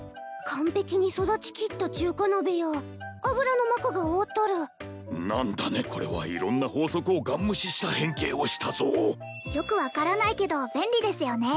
完璧に育ちきった中華鍋や油の膜が覆っとる何だねこれは色んな法則をガン無視した変形をしたぞよく分からないけど便利ですよね